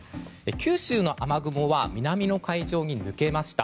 九州の雨雲は南の海上に抜けました。